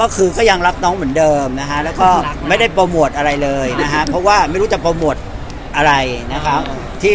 ก็คือก็ยังรับน้องเหมือนเดิมนะฮะแล้วก็ไม่ได้โปรโมทอะไรเลยนะฮะเพราะว่าไม่รู้จะโปรโมทอะไรนะครับ